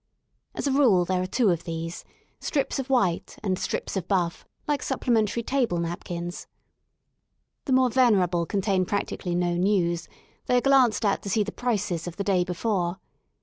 As a rule there are two of these, strips of white, and strips of buff, like supplementary table napkins. The more venerable contain practically no news; they are glanced at to see the Prices of the day before.